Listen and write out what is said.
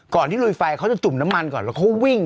ที่ลุยไฟเขาจะจุ่มน้ำมันก่อนแล้วเขาวิ่ง